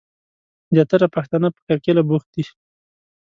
زياتره پښتنه په کرکيله بوخت دي.